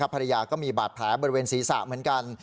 ภรรยาก็มีบาดแผลบริเวณศีรษะเหมือนกัน